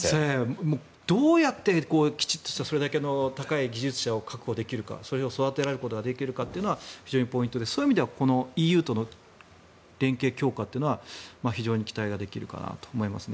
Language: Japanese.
どうやってきちっとしたそれだけの高い技術を持った人材を確保できるか育てられることができるかというのが非常にポイントでそういう意味ではＥＵとの連携強化は非常に期待ができるかなと思いますね。